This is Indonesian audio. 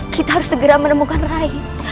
kita harus segera menemukan rai